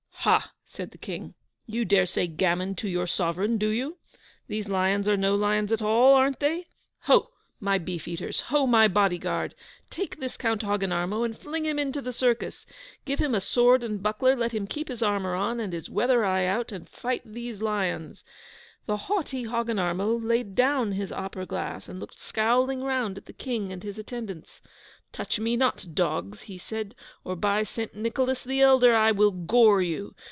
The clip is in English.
'Ha!' said the King, 'you dare to say "gammon" to your Sovereign, do you? These lions are no lions at all, aren't they? Ho! my beef eaters! Ho! my bodyguard! Take this Count Hogginarmo and fling him into the circus! Give him a sword and buckler, let him keep his armour on, and his weather eye out, and fight these lions.' The haughty Hogginarmo laid down his opera glass, and looked scowling round at the King and his attendants. 'Touch me not, dogs!' he said, 'or by St. Nicholas the Elder, I will gore you!